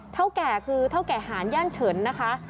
เท่าแก่คือเท่าแก่หารย่านเฉินนะคะ